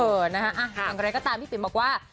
เออนะฮะอังกฤษก็ตามพี่ปิ๊บบอกว่า